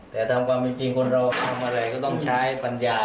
แต่ตามความเป็นจริงคนเราทำอะไรก็ต้องใช้ปัญญา